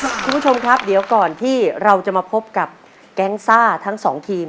คุณผู้ชมครับเดี๋ยวก่อนที่เราจะมาพบกับแก๊งซ่าทั้งสองทีม